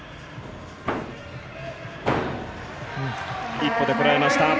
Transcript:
１歩でこらえました。